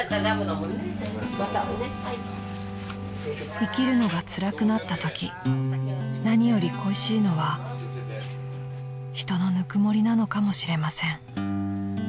［生きるのがつらくなったとき何より恋しいのは人のぬくもりなのかもしれません］